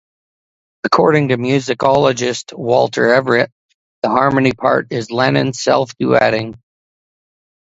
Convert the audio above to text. According to musicologist Walter Everett, the harmony part is Lennon "self-duetting".